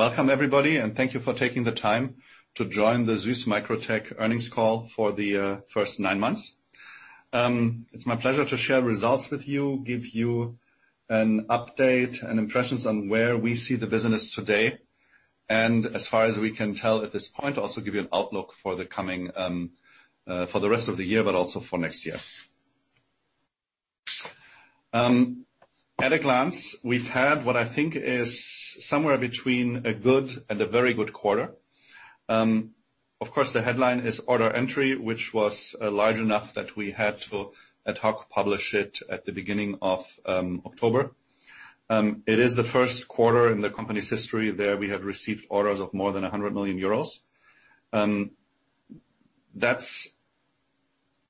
Welcome everybody, and thank you for taking the time to join the SÜSS MicroTec earnings call for the first nine months. It's my pleasure to share results with you, give you an update and impressions on where we see the business today. As far as we can tell at this point, also give you an outlook for the rest of the year, but also for next year. At a glance, we've had what I think is somewhere between a good and a very good quarter. Of course, the headline is order entry, which was large enough that we had to ad hoc publish it at the beginning of October. It is the first quarter in the company's history that we have received orders of more than 100 million euros. That's,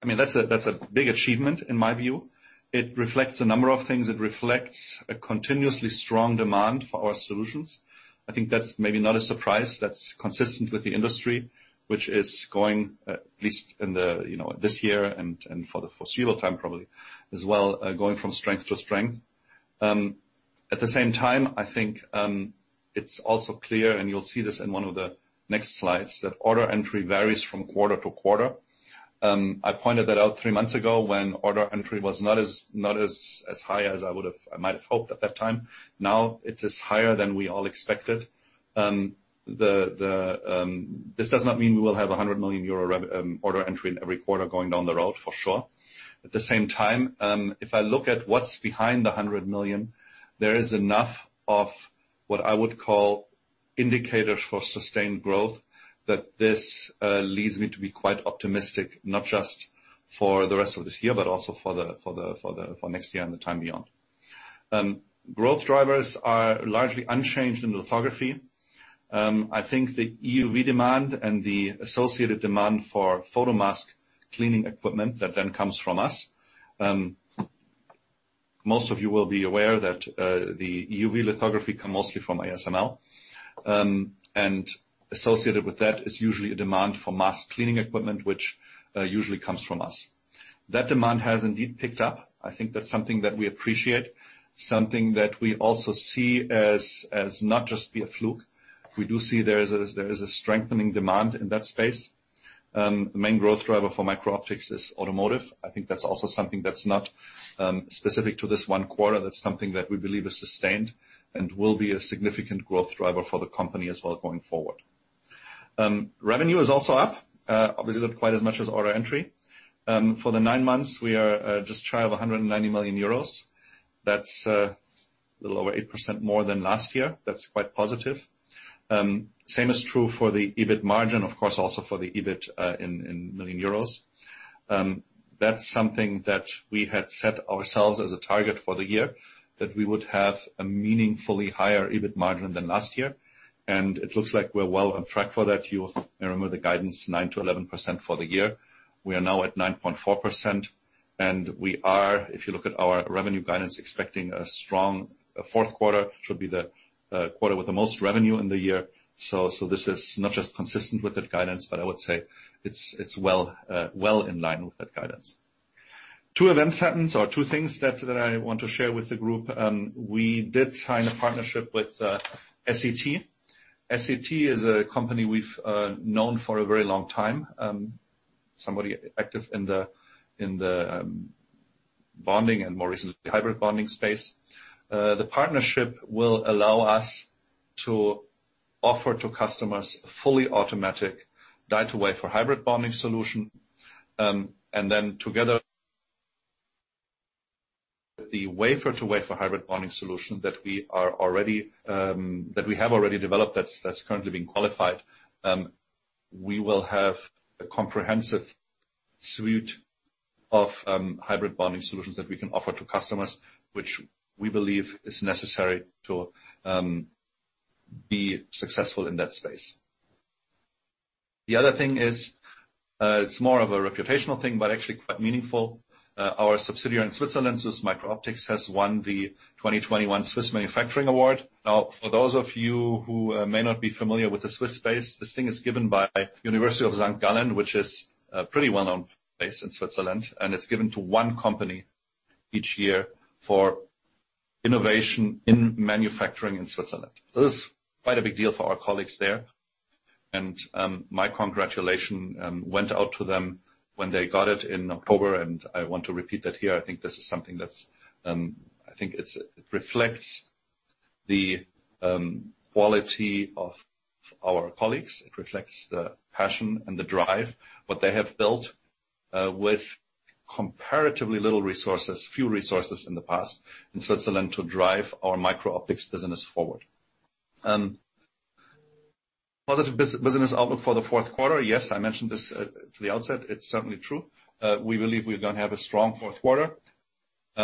I mean, that's a big achievement in my view. It reflects a number of things. It reflects a continuously strong demand for our solutions. I think that's maybe not a surprise. That's consistent with the industry, which is going at least in the you know this year and for the foreseeable time probably as well going from strength to strength. At the same time, I think it's also clear, and you'll see this in one of the next slides, that order entry varies from quarter-to-quarter. I pointed that out three months ago when order entry was not as high as I might have hoped at that time. Now it is higher than we all expected. This does not mean we will have 100 million euro order entry in every quarter going down the road, for sure. At the same time, if I look at what's behind the 100 million, there is enough of what I would call indicators for sustained growth that this leads me to be quite optimistic, not just for the rest of this year, but also for next year and the time beyond. Growth drivers are largely unchanged in lithography. I think the EUV demand and the associated demand for photomask cleaning equipment that then comes from us. Most of you will be aware that the EUV lithography come mostly from ASML. Associated with that is usually a demand for mask cleaning equipment, which usually comes from us. That demand has indeed picked up. I think that's something that we appreciate, something that we also see as not just a fluke. We do see there is a strengthening demand in that space. The main growth driver for MicroOptics is automotive. I think that's also something that's not specific to this one quarter. That's something that we believe is sustained and will be a significant growth driver for the company as well going forward. Revenue is also up, obviously not quite as much as order entry. For the nine months, we are just shy of 190 million euros. That's a little over 8% more than last year. That's quite positive. Same is true for the EBIT margin, of course, also for the EBIT in million euros. That's something that we had set ourselves as a target for the year, that we would have a meaningfully higher EBIT margin than last year. It looks like we're well on track for that. You may remember the guidance, 9%-11% for the year. We are now at 9.4%. We are, if you look at our revenue guidance, expecting a strong fourth quarter. Should be the quarter with the most revenue in the year. This is not just consistent with that guidance, but I would say it's well in line with that guidance. Two events happened or two things that I want to share with the group. We did sign a partnership with SET. SET is a company we've known for a very long time. Somebody active in the bonding and more recently hybrid bonding space. The partnership will allow us to offer to customers a fully automatic die-to-wafer hybrid bonding solution. Together the wafer-to-wafer hybrid bonding solution that we have already developed that's currently being qualified, we will have a comprehensive suite of hybrid bonding solutions that we can offer to customers which we believe is necessary to be successful in that space. The other thing is, it's more of a reputational thing, but actually quite meaningful. Our subsidiary in Switzerland, SÜSS MicroOptics, has won the 2021 Swiss Manufacturing Award. Now, for those of you who may not be familiar with the Swiss space, this thing is given by University of St. Gallen. Gallen, which is a pretty well-known place in Switzerland, and it's given to one company each year for innovation in manufacturing in Switzerland. This is quite a big deal for our colleagues there. My congratulations went out to them when they got it in October, and I want to repeat that here. I think this is something that reflects the quality of our colleagues. It reflects the passion and the drive that they have built with comparatively few resources in the past in Switzerland to drive our MicroOptics business forward. Positive business outlook for the fourth quarter. Yes, I mentioned this at the outset. It's certainly true. We believe we're gonna have a strong fourth quarter. We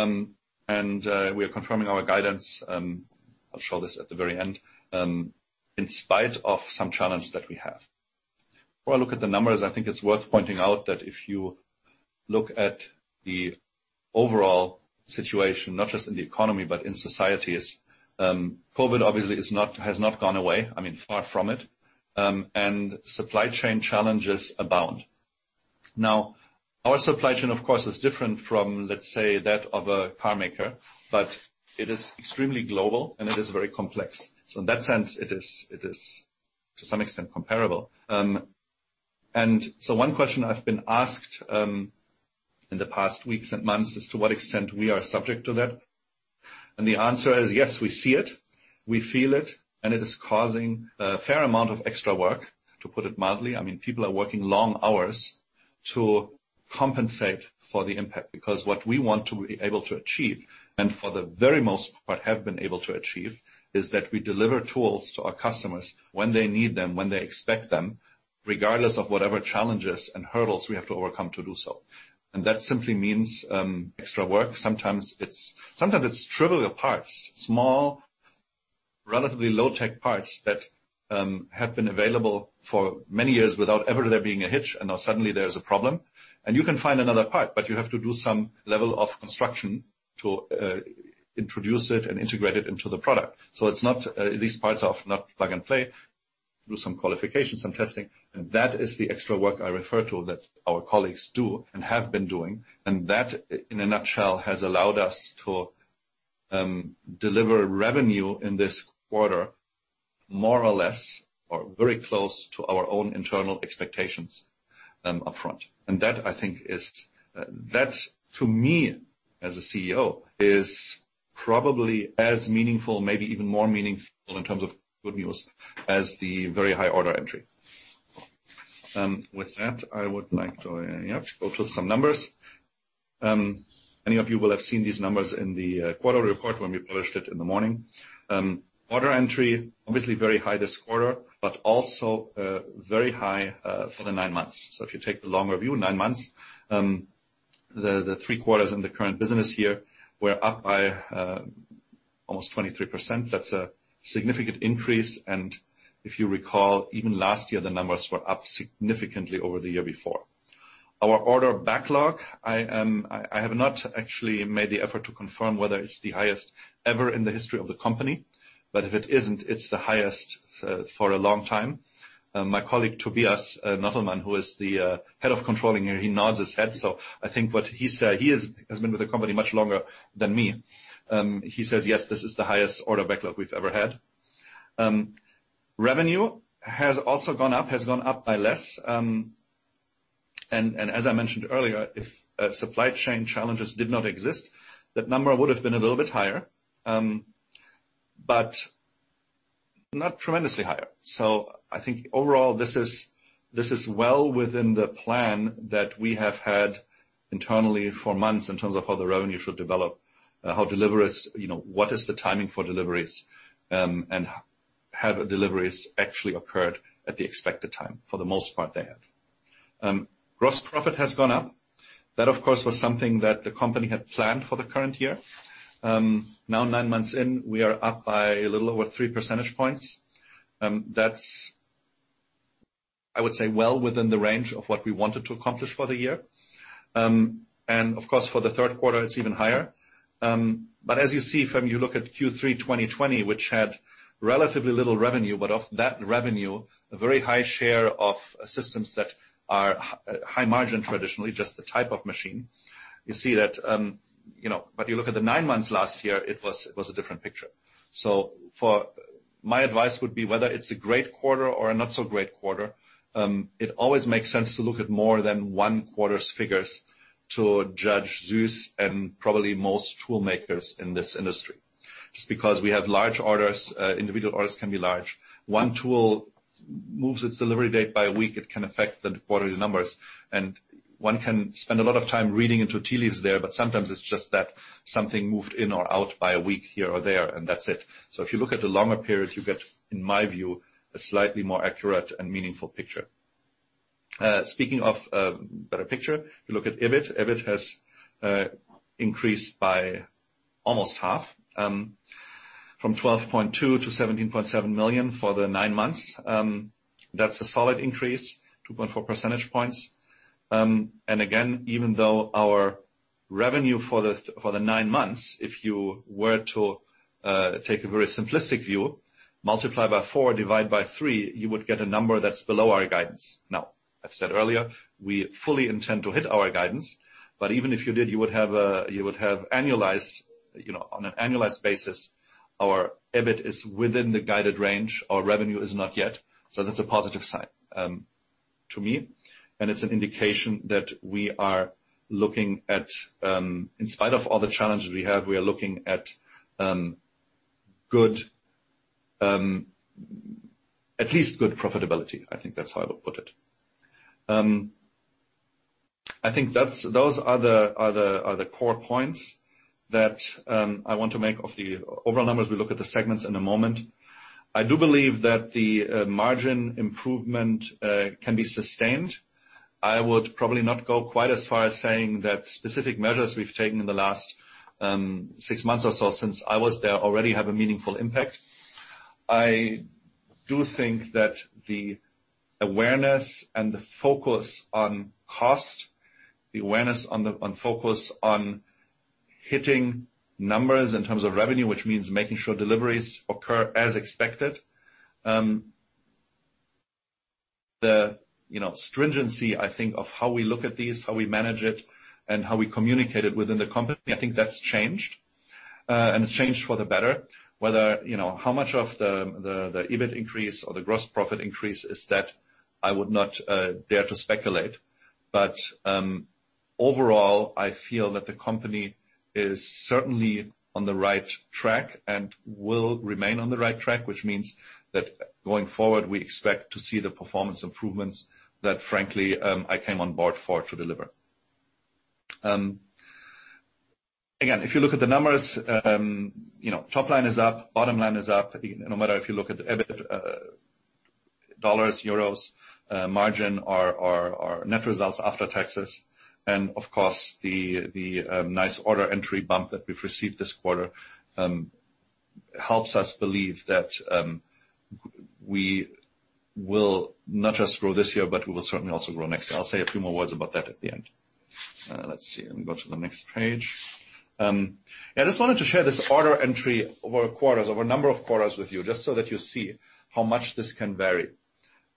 are confirming our guidance. I'll show this at the very end, in spite of some challenge that we have. Before I look at the numbers, I think it's worth pointing out that if you look at the overall situation, not just in the economy, but in societies, COVID obviously has not gone away. I mean, far from it. Supply chain challenges abound. Now our supply chain, of course, is different from, let's say, that of a car maker, but it is extremely global and very complex. In that sense, it is to some extent comparable. One question I've been asked, in the past weeks and months is to what extent we are subject to that. The answer is, yes, we see it, we feel it, and it is causing a fair amount of extra work, to put it mildly. I mean, people are working long hours to compensate for the impact because what we want to be able to achieve, and for the very most part have been able to achieve, is that we deliver tools to our customers when they need them, when they expect them, regardless of whatever challenges and hurdles we have to overcome to do so. That simply means extra work. Sometimes it's trivial parts, small, relatively low-tech parts that have been available for many years without ever there being a hitch, and now suddenly there's a problem. You can find another part, but you have to do some level of construction to introduce it and integrate it into the product. It's not, these parts are not plug-and-play. Do some qualification, some testing. That is the extra work I refer to that our colleagues do and have been doing. That, in a nutshell, has allowed us to deliver revenue in this quarter more or less, or very close to our own internal expectations, upfront. That, I think, to me as a CEO is probably as meaningful, maybe even more meaningful in terms of good news as the very high order entry. With that, I would like to go through some numbers. Many of you will have seen these numbers in the quarter report when we published it in the morning. Order entry, obviously very high this quarter, but also very high for the nine months. If you take the longer view, nine months, the three quarters in the current business year were up by almost 23%. That's a significant increase. If you recall, even last year, the numbers were up significantly over the year before. Our order backlog, I have not actually made the effort to confirm whether it's the highest ever in the history of the company, but if it isn't, it's the highest for a long time. My colleague, Tobias Nottelmann, who is the Head of Controlling, he nods his head, so I think what he's, he has been with the company much longer than me. He says, "Yes, this is the highest order backlog we've ever had." Revenue has also gone up. Has gone up by less. As I mentioned earlier, if supply chain challenges did not exist, that number would have been a little bit higher, but not tremendously higher. I think overall, this is well within the plan that we have had internally for months in terms of how the revenue should develop, how deliveries, you know, what is the timing for deliveries, and have deliveries actually occurred at the expected time. For the most part, they have. Gross profit has gone up. That, of course, was something that the company had planned for the current year. Now nine months in, we are up by a little over 3 percentage points. That's, I would say, well within the range of what we wanted to accomplish for the year. Of course, for the third quarter, it's even higher. As you see if you look at Q3 2020, which had relatively little revenue, but of that revenue, a very high share of systems that are high margin, traditionally, just the type of machine. You see that, you know. You look at the nine months last year, it was a different picture. My advice would be, whether it's a great quarter or a not-so great quarter, it always makes sense to look at more than one quarter's figures to judge SÜSS and probably most tool makers in this industry. Just because we have large orders, individual orders can be large. One tool moves its delivery date by a week, it can affect the quarterly numbers. One can spend a lot of time reading into tea leaves there, but sometimes it's just that something moved in or out by a week here or there, and that's it. If you look at the longer periods, you get, in my view, a slightly more accurate and meaningful picture. Speaking of a better picture, you look at EBIT. EBIT has increased by almost half from 12.2 million to 17.7 million for the nine months. That's a solid increase, 2.4 percentage points. And again, even though our revenue for the nine months, if you were to take a very simplistic view, multiply by four, divide by three, you would get a number that's below our guidance. Now, I've said earlier, we fully intend to hit our guidance, but even if you did, you would have annualized, you know. On an annualized basis, our EBIT is within the guided range, our revenue is not yet. That's a positive sign to me, and it's an indication that we are looking at, in spite of all the challenges we have, we are looking at least good profitability. I think that's how I would put it. I think that's, those are the core points that I want to make of the overall numbers. We'll look at the segments in a moment. I do believe that the margin improvement can be sustained. I would probably not go quite as far as saying that specific measures we've taken in the last six months or so since I was there already have a meaningful impact. I do think that the awareness and the focus on cost, the awareness on the focus on hitting numbers in terms of revenue, which means making sure deliveries occur as expected. You know, the stringency, I think, of how we look at these, how we manage it, and how we communicate it within the company, I think that's changed, and it's changed for the better. Whether, you know, how much of the EBIT increase or the gross profit increase is that I would not dare to speculate. Overall, I feel that the company is certainly on the right track and will remain on the right track, which means that going forward, we expect to see the performance improvements that frankly, I came on board for to deliver. Again, if you look at the numbers, you know, top line is up, bottom line is up. No matter if you look at the EBIT, dollars, euros, margin or net results after taxes. Of course, the nice order entry bump that we've received this quarter helps us believe that we will not just grow this year, but we will certainly also grow next year. I'll say a few more words about that at the end. Let's see. Let me go to the next page. I just wanted to share this order entry over quarters, over a number of quarters with you just so that you see how much this can vary.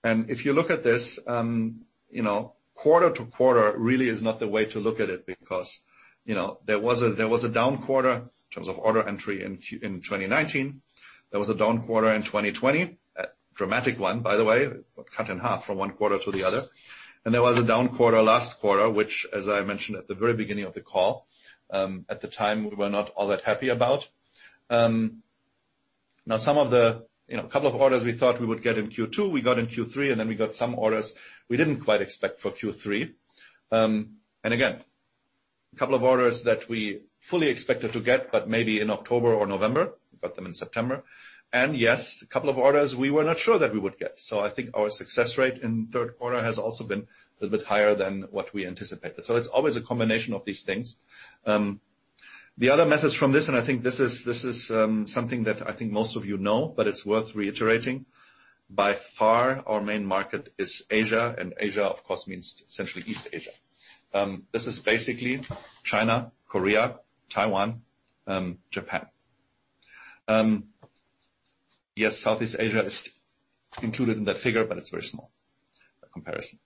If you look at this, you know, quarter-to-quarter really is not the way to look at it because, you know, there was a down quarter in terms of order entry in 2019. There was a down quarter in 2020, a dramatic one, by the way. Cut in half from one quarter to the other. There was a down quarter last quarter, which, as I mentioned at the very beginning of the call, at the time, we were not all that happy about. Now some of the, you know, a couple of orders we thought we would get in Q2, we got in Q3, and then we got some orders we didn't quite expect for Q3. Again, a couple of orders that we fully expected to get, but maybe in October or November, we got them in September. Yes, a couple of orders we were not sure that we would get. I think our success rate in third quarter has also been a little bit higher than what we anticipated. It's always a combination of these things. The other message from this, and I think this is something that I think most of you know, but it's worth reiterating. By far, our main market is Asia, and Asia, of course, means essentially East Asia. This is basically China, Korea, Taiwan, Japan. Yes, Southeast Asia is included in that figure, but it's very small by comparison.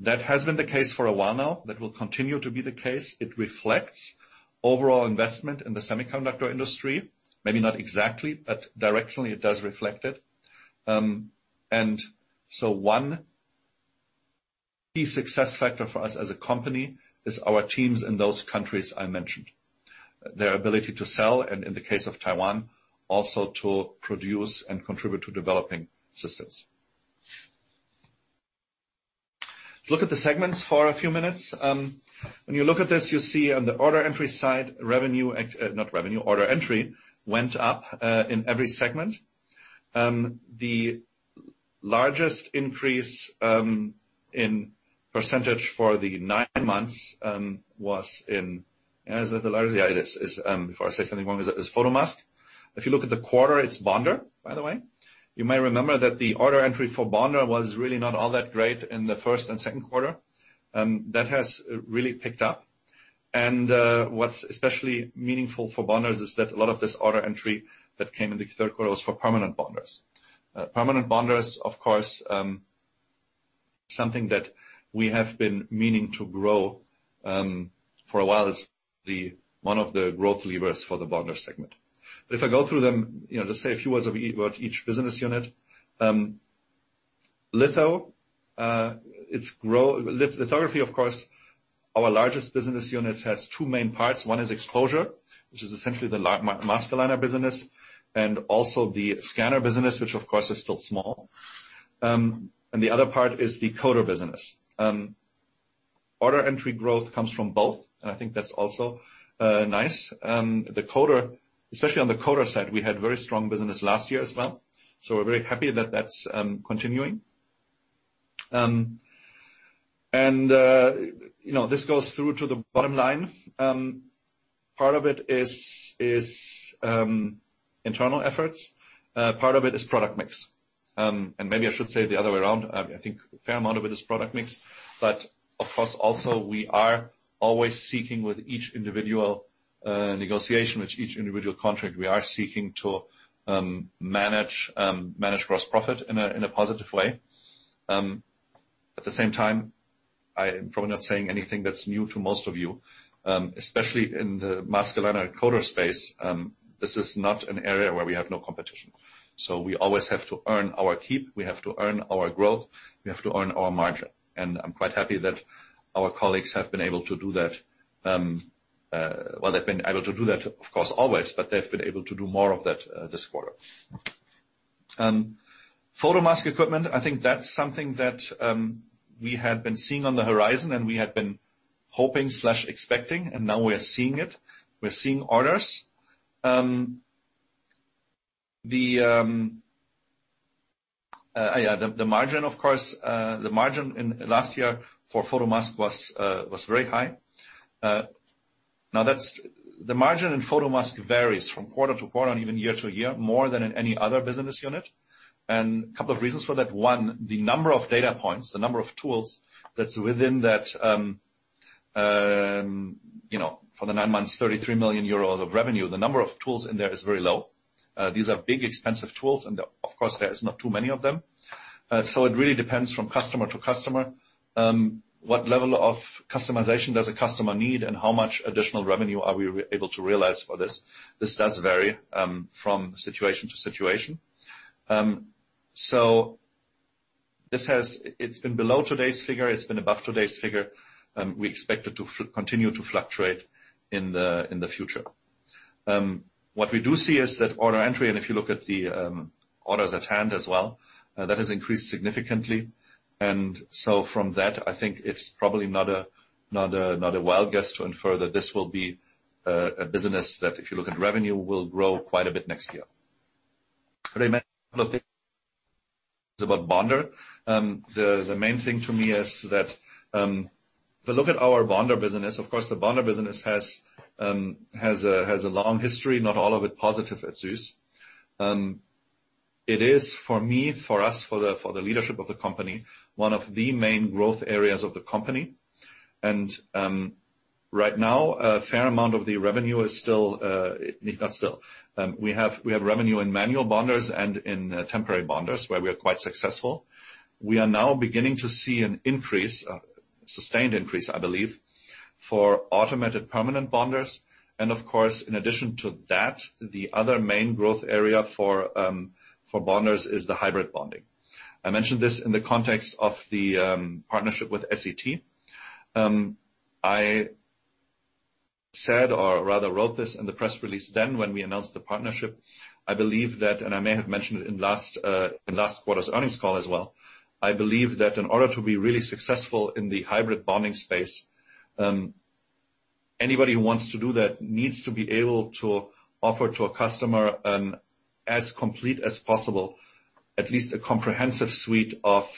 That has been the case for a while now. That will continue to be the case. It reflects overall investment in the semiconductor industry. Maybe not exactly, but directionally, it does reflect it. One key success factor for us as a company is our teams in those countries I mentioned. Their ability to sell, and in the case of Taiwan, also to produce and contribute to developing systems. Let's look at the segments for a few minutes. When you look at this, you see on the order entry side, order entry went up in every segment. The largest increase in percentage for the nine months was in Photomask. Is it the largest? Before I say something wrong, is Photomask. If you look at the quarter, it's bonder, by the way. You may remember that the order entry for bonder was really not all that great in the first and second quarter. That has really picked up. What's especially meaningful for bonders is that a lot of this order entry that came in the third quarter was for permanent bonders. Permanent bonders, of course, something that we have been meaning to grow, for a while. It's one of the growth levers for the bonder segment. If I go through them, you know, just say a few words about each business unit. Litho, it's lithography, of course, our largest business unit, has two main parts. One is exposure, which is essentially the mask aligner business, and also the scanner business, which, of course, is still small. The other part is the coater business. Order entry growth comes from both, and I think that's also nice. The coater, especially on the coater side, we had very strong business last year as well. We're very happy that that's continuing. You know, this goes through to the bottom line. Part of it is internal efforts. Part of it is product mix. Maybe I should say the other way around. I think a fair amount of it is product mix. Of course, we are always seeking with each individual negotiation, with each individual contract, we are seeking to manage gross profit in a positive way. At the same time, I'm probably not saying anything that's new to most of you, especially in the mask aligner coater space, this is not an area where we have no competition. We always have to earn our keep, we have to earn our growth, we have to earn our margin. I'm quite happy that our colleagues have been able to do that. Well, they've been able to do that, of course, always, but they've been able to do more of that this quarter. Photomask equipment, I think that's something that we had been seeing on the horizon and we had been hoping, expecting, and now we're seeing it. We're seeing orders. Yeah, the margin, of course, the margin in last year for Photomask was very high. The margin in Photomask varies from quarter-to-quarter and even year-to-year, more than in any other business unit. A couple of reasons for that. One, the number of data points, the number of tools that's within that, you know, for the nine months, 33 million euros of revenue, the number of tools in there is very low. These are big, expensive tools, and of course, there is not too many of them. It really depends from customer-to-customer, what level of customization does a customer need and how much additional revenue are we able to realize for this. This does vary from situation-to-situation. This has been below today's figure, it's been above today's figure, and we expect it to continue to fluctuate in the future. What we do see is that order entry, and if you look at the orders at hand as well, that has increased significantly. From that, I think it's probably not a wild guess to infer that this will be a business that if you look at revenue, will grow quite a bit next year. I mentioned a few things about bonder. The main thing to me is that if you look at our bonder business, of course, the bonder business has a long history, not all of it positive at SÜSS. It is for me, for us, for the leadership of the company, one of the main growth areas of the company. Right now, a fair amount of the revenue is still not still. We have revenue in manual bonders and in temporary bonders, where we are quite successful. We are now beginning to see an increase, a sustained increase, I believe, for automated permanent bonders. Of course, in addition to that, the other main growth area for bonders is the hybrid bonding. I mentioned this in the context of the partnership with SET. I said, or rather wrote this in the press release then when we announced the partnership, I believe that, and I may have mentioned it in last quarter's earnings call as well. I believe that in order to be really successful in the hybrid bonding space, anybody who wants to do that needs to be able to offer to a customer an as complete as possible, at least a comprehensive suite of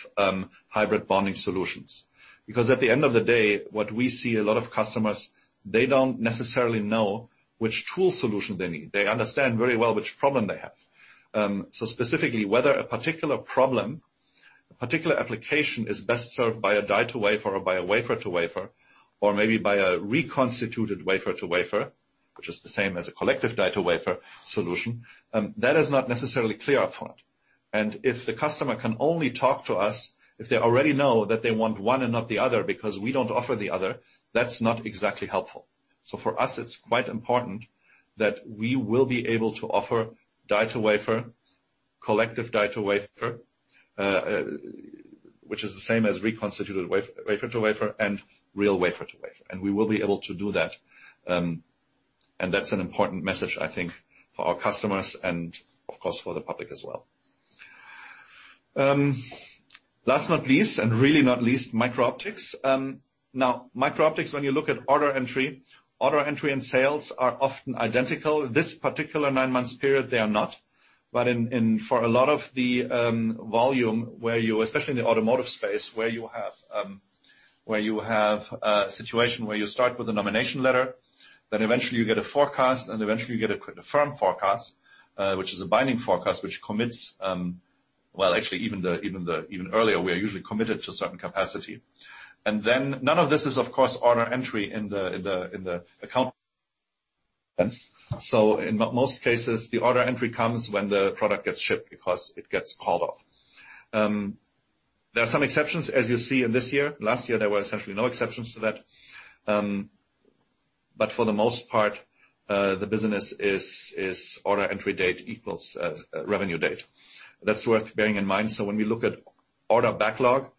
hybrid bonding solutions. Because at the end of the day, what we see a lot of customers, they don't necessarily know which tool solution they need. They understand very well which problem they have. Specifically, whether a particular problem, a particular application is best served by a die to wafer or by a wafer to wafer, or maybe by a reconstituted wafer to wafer, which is the same as a collective die to wafer solution, that is not necessarily clear up front. If the customer can only talk to us, if they already know that they want one and not the other because we don't offer the other, that's not exactly helpful. For us, it's quite important that we will be able to offer die to wafer, collective die to wafer, which is the same as reconstituted wafer to wafer, and real wafer to wafer. We will be able to do that. That's an important message, I think, for our customers and of course, for the public as well. Last but not least, and really not least, MicroOptics. Now, MicroOptics, when you look at order entry, order entry and sales are often identical. This particular nine-month period, they are not. But in for a lot of the volume where you especially in the automotive space, where you have a situation where you start with a nomination letter, then eventually you get a forecast, and eventually you get a confirmed forecast, which is a binding forecast, which commits. Well, actually, even earlier, we are usually committed to a certain capacity. Then none of this is, of course, order entry in the account. In most cases, the order entry comes when the product gets shipped because it gets called off. There are some exceptions, as you see in this year. Last year, there were essentially no exceptions to that. For the most part, the business is order entry date equals revenue date. That's worth bearing in mind. When we look at order backlog,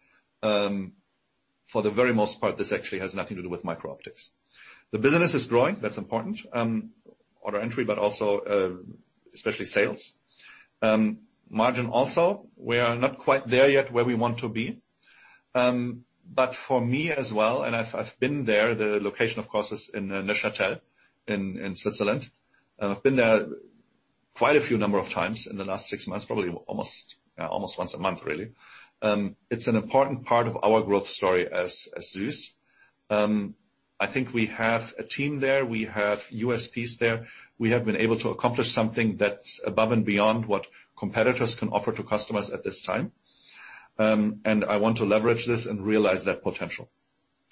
for the very most part, this actually has nothing to do with MicroOptics. The business is growing. That's important. Order entry, but also especially sales. Margin also, we are not quite there yet where we want to be. For me as well, and I've been there. The location, of course, is in Neuchâtel in Switzerland. I've been there quite a number of times in the last six months, probably almost once a month, really. It's an important part of our growth story as SÜSS. I think we have a team there. We have USPs there. We have been able to accomplish something that's above and beyond what competitors can offer to customers at this time. I want to leverage this and realize that potential,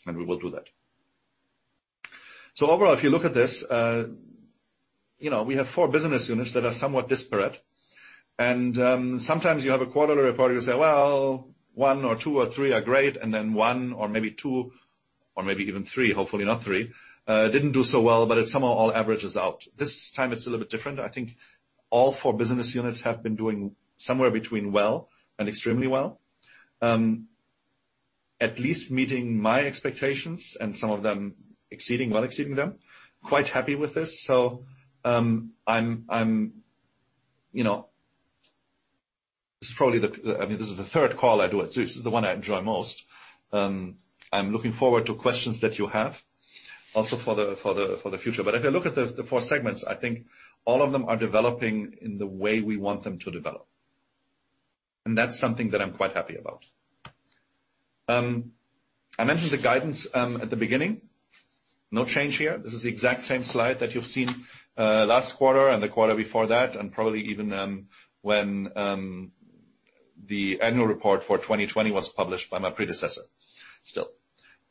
and we will do that. Overall, if you look at this, you know, we have four business units that are somewhat disparate. Sometimes you have a quarterly report, you say, "Well, one or two or three are great," and then one or maybe two or maybe even three, hopefully not three, didn't do so well, but it somehow all averages out. This time it's a little bit different. I think all four business units have been doing somewhere between well and extremely well. At least meeting my expectations and some of them exceeding, well exceeding them. Quite happy with this. I'm, you know, this is probably, I mean, this is the third call I do at SÜSS. This is the one I enjoy most. I'm looking forward to questions that you have also for the future. If I look at the four segments, I think all of them are developing in the way we want them to develop. That's something that I'm quite happy about. I mentioned the guidance at the beginning. No change here. This is the exact same slide that you've seen last quarter and the quarter before that, and probably even the annual report for 2020 was published by my predecessor still.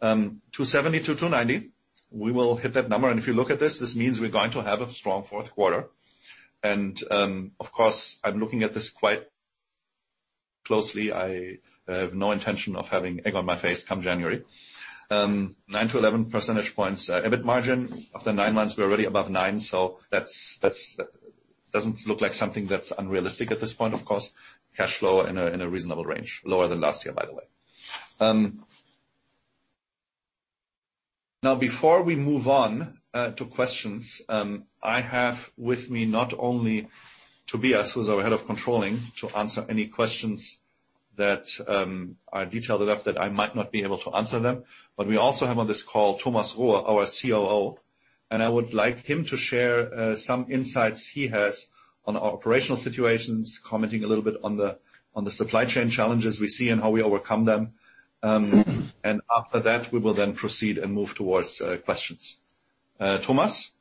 270-290, we will hit that number. If you look at this means we're going to have a strong fourth quarter. Of course, I'm looking at this quite closely. I have no intention of having egg on my face come January. 9-11 percentage points EBIT margin. After nine months, we're already above nine. That doesn't look like something that's unrealistic at this point, of course. Cash flow in a reasonable range, lower than last year, by the way. Now, before we move on to questions, I have with me not only Tobias, who's our Head of Controlling, to answer any questions that are detailed enough that I might not be able to answer them, but we also have on this call Thomas Rohe, our COO, and I would like him to share some insights he has on our operational situations, commenting a little bit on the supply chain challenges we see and how we overcome them. After that, we will then proceed and move towards questions. Thomas?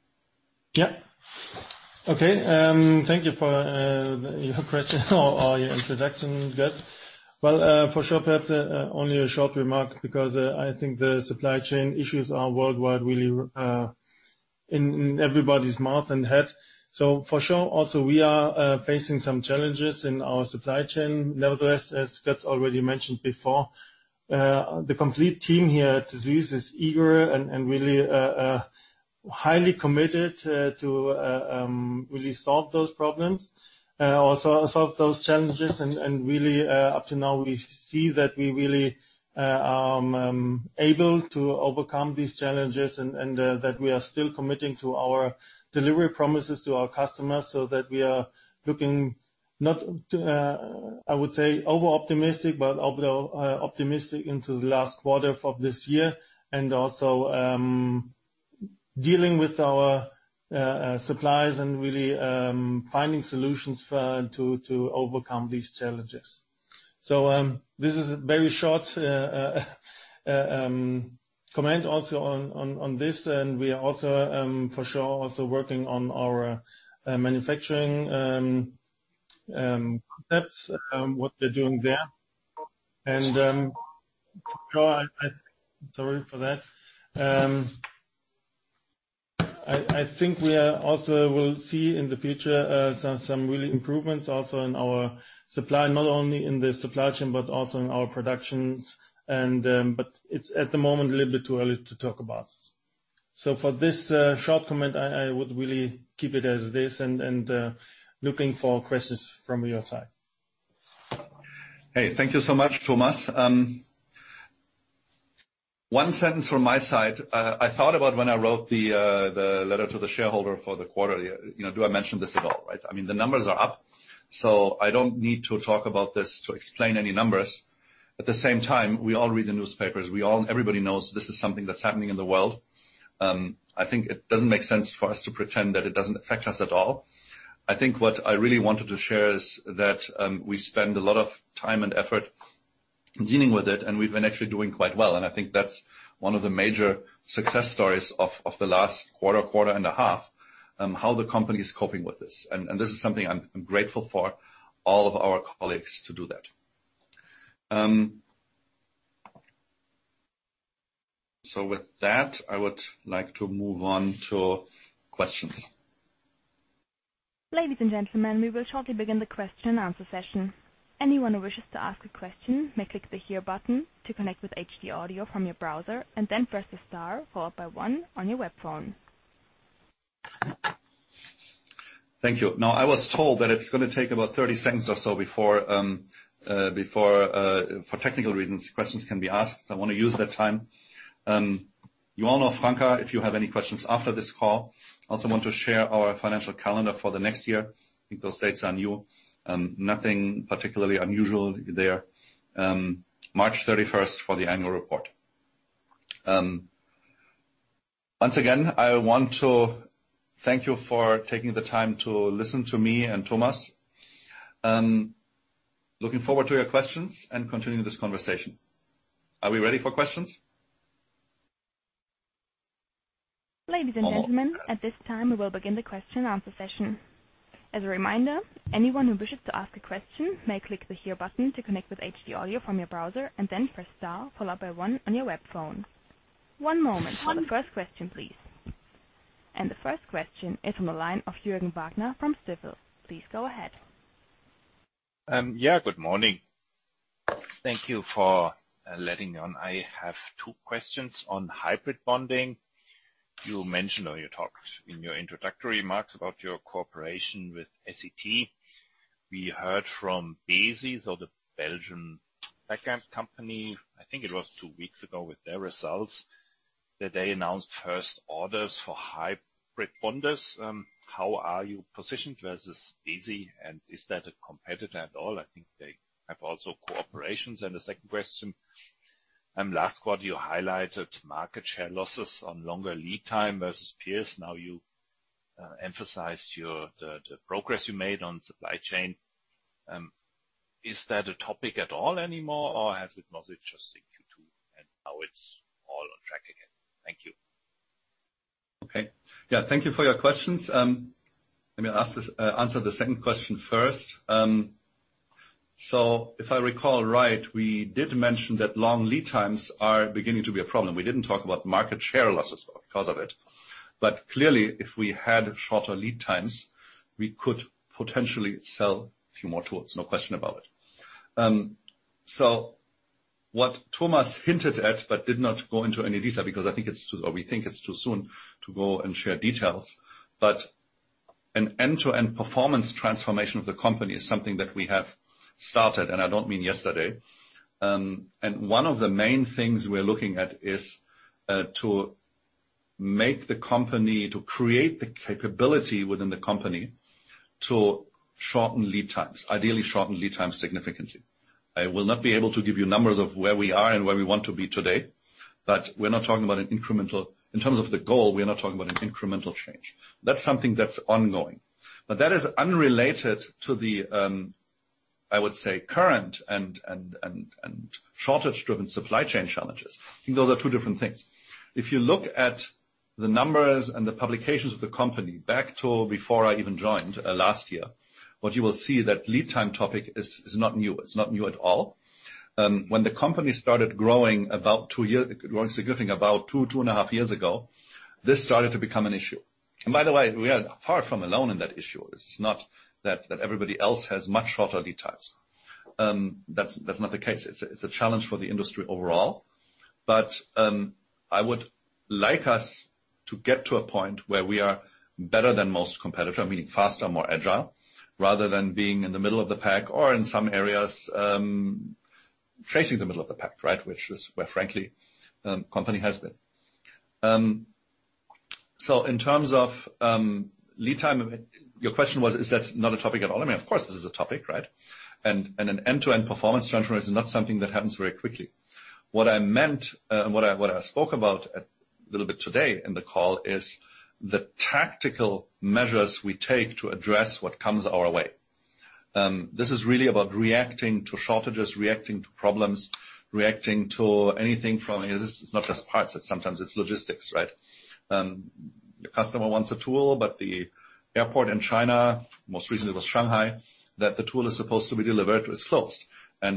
Yeah. Okay. Thank you for your question or your introduction, Götz. Well, for sure, Götz, only a short remark because I think the supply chain issues are worldwide, really, in everybody's mouth and head. For sure, also we are facing some challenges in our supply chain. Nevertheless, as Götz's already mentioned before, the complete team here at SÜSS is eager and really highly committed to really solve those problems, also solve those challenges. Really, up to now, we see that we are really able to overcome these challenges and that we are still committing to our delivery promises to our customers so that we are looking not over-optimistic, but optimistic into the last quarter of this year and also dealing with our suppliers and really finding solutions to overcome these challenges. This is a very short comment also on this, and we are for sure working on our manufacturing concepts, what they're doing there. Sorry for that. I think we will also see in the future some real improvements also in our supply, not only in the supply chain, but also in our production, but it's at the moment a little bit too early to talk about. For this short comment, I would really keep it at this and looking for questions from your side. Hey, thank you so much, Thomas. One sentence from my side. I thought about when I wrote the letter to the shareholder for the quarter, you know, do I mention this at all, right? I mean, the numbers are up, so I don't need to talk about this to explain any numbers. At the same time, we all read the newspapers. We all, everybody knows this is something that's happening in the world. I think it doesn't make sense for us to pretend that it doesn't affect us at all. I think what I really wanted to share is that we spend a lot of time and effort dealing with it, and we've been actually doing quite well. I think that's one of the major success stories of the last quarter and a half, how the company is coping with this. This is something I'm grateful for all of our colleagues to do that. With that, I would like to move on to questions. Ladies and gentlemen, we will shortly begin the question-and-answer session. Anyone who wishes to ask a question may click the hear button to connect with HD audio from your browser and then press the star followed by one on your web phone. Thank you. Now, I was told that it's gonna take about 30 seconds or so before, for technical reasons, questions can be asked. I wanna use that time. You all know Franca, if you have any questions after this call. I also want to share our financial calendar for the next year. I think those dates are new. Nothing particularly unusual there. March 31st for the annual report. Once again, I want to thank you for taking the time to listen to me and Thomas. Looking forward to your questions and continuing this conversation. Are we ready for questions? Ladies and gentlemen, at this time, we will begin the question-and-answer session. As a reminder, anyone who wishes to ask a question may click the hear button to connect with HD audio from your browser and then press star followed by one on your web phone. One moment for the first question, please. The first question is from the line of Jürgen Wagner from Stifel. Please go ahead. Yeah, good morning. Thank you for letting me on. I have two questions. On hybrid bonding, you mentioned or you talked in your introductory remarks about your cooperation with SET. We heard from BESI, so the Belgian backup company, I think it was two weeks ago with their results, that they announced first orders for hybrid bonders. How are you positioned versus BESI, and is that a competitor at all? I think they have also cooperations. The second question, last quarter, you highlighted market share losses on longer lead time versus peers. Now you emphasized the progress you made on supply chain. Is that a topic at all anymore or was it just Q2 and now it's all on track again? Thank you. Okay. Yeah, thank you for your questions. Let me answer the second question first. If I recall right, we did mention that long lead times are beginning to be a problem. We didn't talk about market share losses because of it. Clearly, if we had shorter lead times, we could potentially sell a few more tools, no question about it. What Thomas hinted at but did not go into any detail because we think it's too soon to go and share details, but an end-to-end performance transformation of the company is something that we have started, and I don't mean yesterday. One of the main things we're looking at is to make the company, to create the capability within the company to shorten lead times, ideally shorten lead times significantly. I will not be able to give you numbers of where we are and where we want to be today, but we're not talking about an incremental change. In terms of the goal, we are not talking about an incremental change. That's something that's ongoing. That is unrelated to the current and shortage-driven supply chain challenges. I think those are two different things. If you look at the numbers and the publications of the company back to before I even joined last year, what you will see that lead time topic is not new. It's not new at all. When the company started growing significantly about 2.5 years ago, this started to become an issue. By the way, we are far from alone in that issue. It's not that everybody else has much shorter lead times. That's not the case. It's a challenge for the industry overall. I would like us to get to a point where we are better than most competitor, meaning faster, more agile, rather than being in the middle of the pack or in some areas, facing the middle of the pack, right, which is where, frankly, company has been. In terms of lead time, your question was, is that not a topic at all? I mean, of course, this is a topic, right? An end-to-end performance transformation is not something that happens very quickly. What I meant, what I spoke about a little bit today in the call is the tactical measures we take to address what comes our way. This is really about reacting to shortages, reacting to problems, reacting to anything. This is not just parts, sometimes it's logistics, right? The customer wants a tool, but the airport in China, most recently it was Shanghai, that the tool is supposed to be delivered is closed.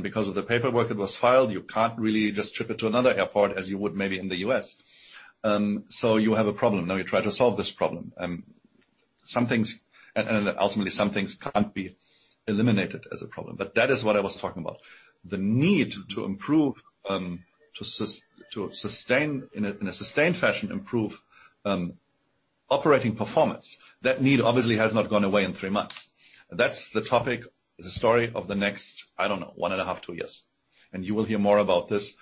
Because of the paperwork that was filed, you can't really just ship it to another airport as you would maybe in the U.S. You have a problem. Now you try to solve this problem. Ultimately, some things can't be eliminated as a problem. That is what I was talking about. The need to improve, to sustain in a sustained fashion, improve operating performance. That need obviously has not gone away in three months. That's the topic, the story of the next 1.5 to two years. You will hear more about this,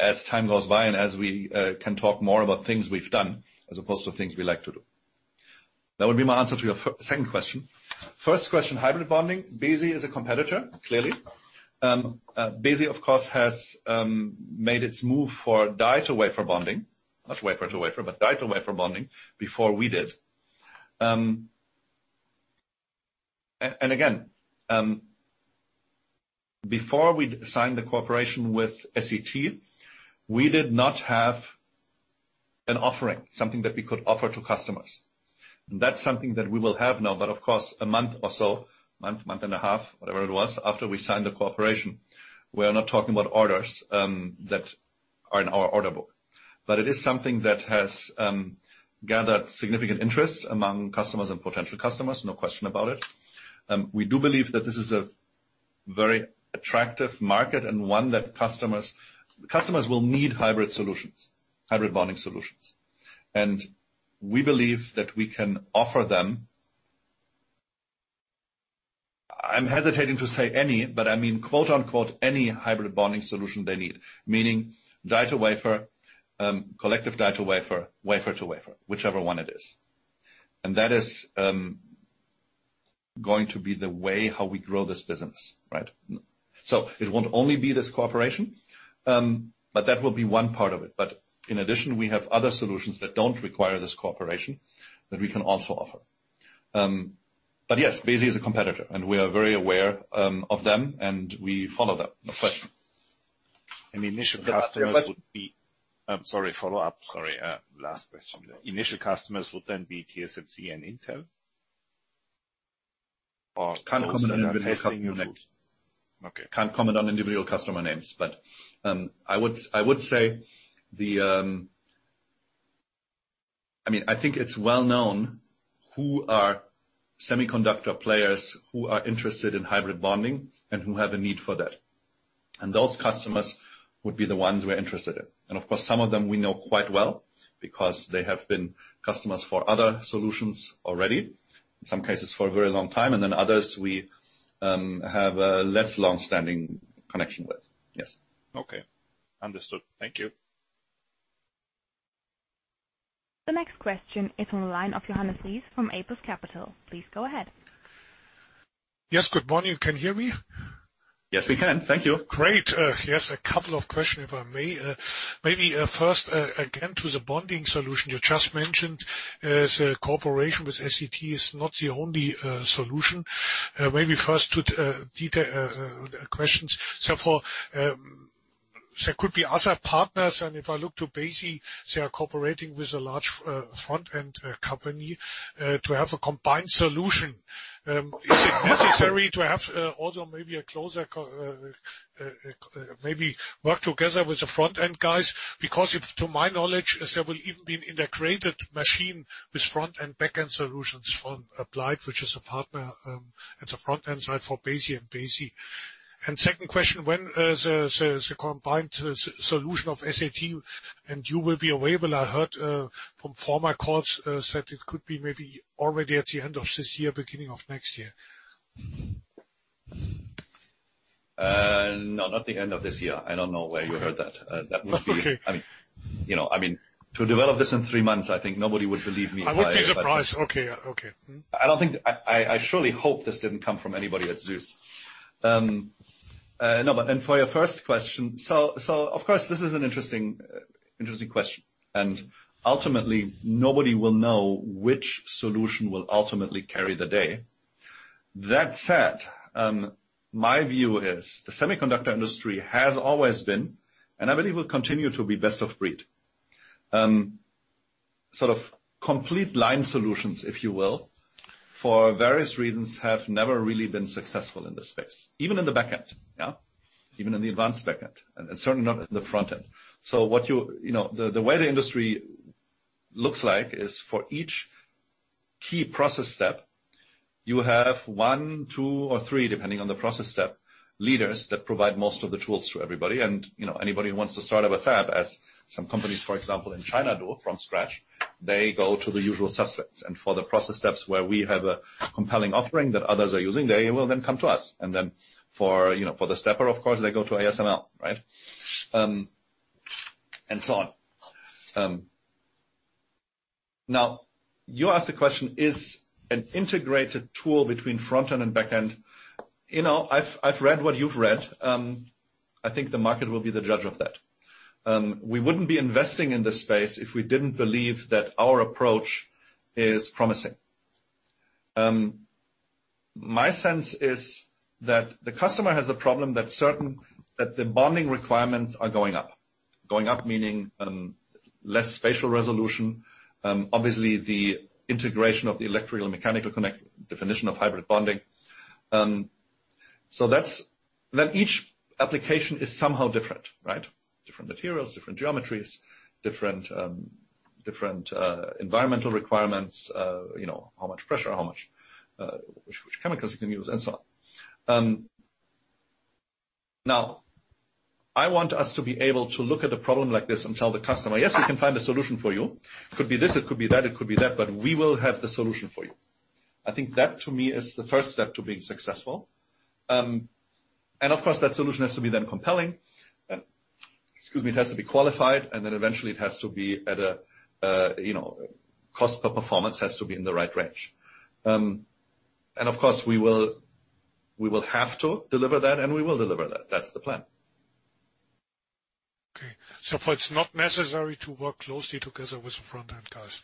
as time goes by and as we can talk more about things we've done as opposed to things we like to do. That would be my answer to your second question. First question, hybrid bonding. BESI is a competitor, clearly. BESI, of course, has made its move for die to wafer bonding. Not wafer to wafer, but die to wafer bonding before we did. And again, before we signed the cooperation with SET, we did not have an offering, something that we could offer to customers. That's something that we will have now. Of course, a month or so, month and a half, whatever it was, after we signed the cooperation, we are not talking about orders that are in our order book. It is something that has gathered significant interest among customers and potential customers, no question about it. We do believe that this is a very attractive market and one that customers will need hybrid solutions, hybrid bonding solutions. We believe that we can offer them. I'm hesitating to say any, but I mean, quote-unquote, any hybrid bonding solution they need. Meaning die-to-wafer, collective die-to-wafer, wafer-to-wafer, whichever one it is. That is going to be the way how we grow this business, right? It won't only be this cooperation, but that will be one part of it. In addition, we have other solutions that don't require this cooperation that we can also offer. Yes, BESI is a competitor, and we are very aware of them and we follow them. No question. Sorry, follow-up. Sorry, last question. Initial customers would then be TSMC and Intel? Or those who are testing. Can't comment on individual customer names. Okay. Can't comment on individual customer names. I would say I mean, I think it's well known who are semiconductor players who are interested in hybrid bonding and who have a need for that. Those customers would be the ones we're interested in. Of course, some of them we know quite well because they have been customers for other solutions already, in some cases for a very long time. Then others we have a less long-standing connection with. Yes. Okay. Understood. Thank you. The next question is on the line of Johannes Ries from Apus Capital. Please go ahead. Yes. Good morning. Can you hear me? Yes, we can. Thank you. Great. Yes, a couple of questions, if I may. Maybe first, again, to the bonding solution you just mentioned. Is cooperation with SET not the only solution? Maybe first to detail questions. There could be other partners, and if I look to BESI, they are cooperating with a large front-end company to have a combined solution. Is it necessary to have also maybe a closer maybe work together with the front-end guys? Because, to my knowledge, there will even be an integrated machine with front and back-end solutions from Applied Materials, which is a partner at the front-end side for BESI and BESI. Second question, when the combined solution of SET and you will be available? I heard from former calls said it could be maybe already at the end of this year, beginning of next year. No, not the end of this year. I don't know where you heard that. Okay. That would be. Okay. I mean, you know, to develop this in three months, I think nobody would believe me if I said that. I would be surprised. Okay. I surely hope this didn't come from anybody at SÜSS. No, for your first question. Of course, this is an interesting question. Ultimately, nobody will know which solution will ultimately carry the day. That said, my view is the semiconductor industry has always been, and I believe will continue to be best of breed. Sort of complete line solutions, if you will, for various reasons, have never really been successful in this space, even in the back-end, yeah. Even in the advanced back-end, and certainly not in the front end. You know, the way the industry looks like is for each key process step, you have one, two, or three, depending on the process step, leaders that provide most of the tools to everybody. You know, anybody who wants to start up a fab, as some companies, for example, in China do from scratch, they go to the usual suspects. For the process steps where we have a compelling offering that others are using, they will then come to us. For the stepper, of course, they go to ASML, right? And so on. Now you ask the question, is an integrated tool between front-end and back-end? You know, I've read what you've read. I think the market will be the judge of that. We wouldn't be investing in this space if we didn't believe that our approach is promising. My sense is that the customer has a problem that the bonding requirements are going up. Going up, meaning less spatial resolution, obviously the integration of the electrical and mechanical definition of hybrid bonding. Each application is somehow different, right? Different materials, different geometries, different environmental requirements, you know, how much pressure, how much which chemicals you can use and so on. Now, I want us to be able to look at a problem like this and tell the customer, "Yes, we can find a solution for you. It could be this, it could be that, it could be that, but we will have the solution for you." I think that, to me, is the first step to being successful. Of course, that solution has to be then compelling. Excuse me, it has to be qualified, and then eventually it has to be at a, you know, cost per performance has to be in the right range. Of course, we will have to deliver that, and we will deliver that. That's the plan. Okay. It's not necessary to work closely together with the front-end guys.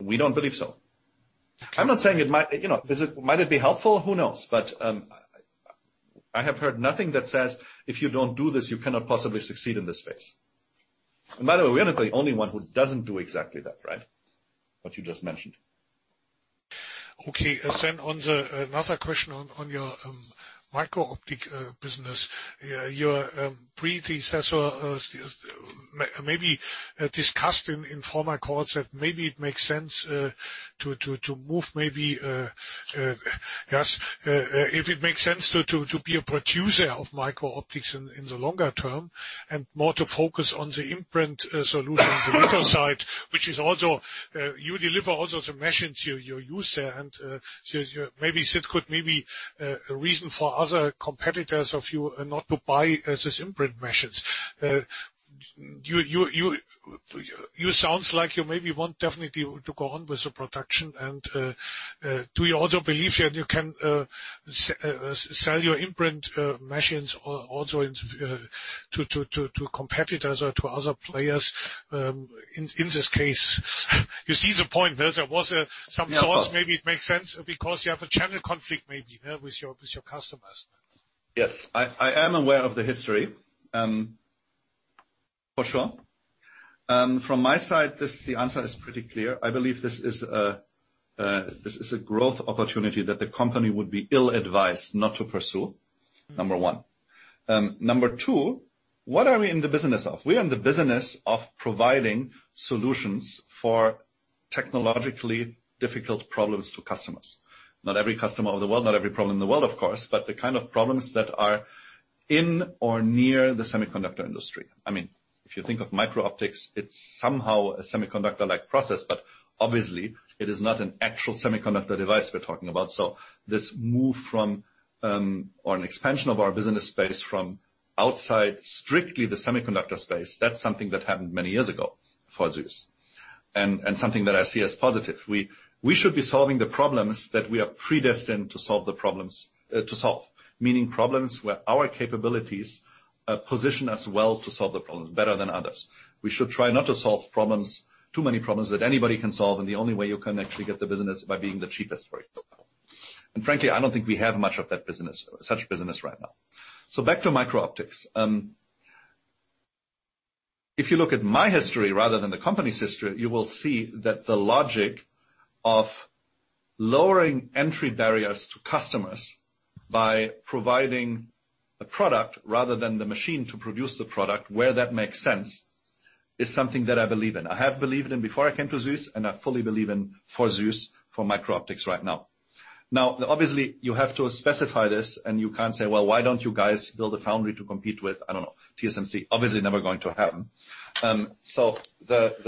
We don't believe so. Okay. You know, is it, might it be helpful? Who knows? I have heard nothing that says, if you don't do this, you cannot possibly succeed in this space. By the way, we're not the only one who doesn't do exactly that, right? What you just mentioned. Okay. Another question on your MicroOptics business. Your predecessor maybe discussed in former calls that if it makes sense to be a producer of MicroOptics in the longer term and more to focus on the imprint solution on the litho side, which is also you deliver also the machine to your user, and so it's maybe it could a reason for other competitors of you not to buy this imprint machines. It sounds like you maybe want definitely to go on with the production and do you also believe you can sell your imprint machines also into competitors or to other players in this case? You see the point. There was some thoughts. Yeah. Maybe it makes sense because you have a channel conflict maybe, yeah, with your customers. Yes. I am aware of the history, for sure. From my side, the answer is pretty clear. I believe this is a growth opportunity that the company would be ill-advised not to pursue, number one. Number two, what are we in the business of? We are in the business of providing solutions for technologically difficult problems to customers. Not every customer of the world, not every problem in the world, of course, but the kind of problems that are in or near the semiconductor industry. I mean, if you think of MicroOptics, it's somehow a semiconductor-like process, but obviously it is not an actual semiconductor device we're talking about. This move from, or an expansion of our business space from outside strictly the semiconductor space, that's something that happened many years ago for SÜSS. Something that I see as positive. We should be solving the problems that we are predestined to solve. Meaning problems where our capabilities position us well to solve the problems better than others. We should try not to solve problems, too many problems that anybody can solve, and the only way you can actually get the business is by being the cheapest way so far. Frankly, I don't think we have much of that business, such business right now. Back to MicroOptics. If you look at my history rather than the company's history, you will see that the logic of lowering entry barriers to customers by providing a product rather than the machine to produce the product where that makes sense is something that I believe in. I have believed in before I came to SÜSS, and I fully believe in for SÜSS, for MicroOptics right now. Now, obviously, you have to specify this and you can't say, "Well, why don't you guys build a foundry to compete with, I don't know, TSMC?" Obviously, never going to happen. So the